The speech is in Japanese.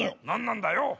何なんだよ？